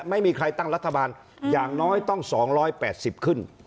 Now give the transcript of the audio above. ไม่มีใครตั้งรัฐบาลอย่างน้อยต้อง๒๘๐ขึ้น